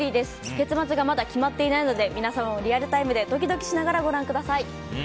結末がまだ決まっていないので皆様もリアルタイムでドキドキしながらご覧ください。